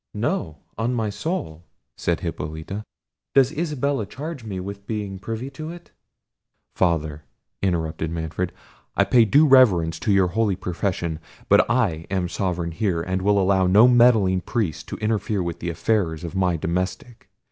"No, on my soul," said Hippolita; "does Isabella charge me with being privy to it?" "Father," interrupted Manfred, "I pay due reverence to your holy profession; but I am sovereign here, and will allow no meddling priest to interfere in the affairs of my domestic.